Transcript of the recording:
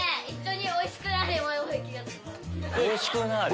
おいしくなれ？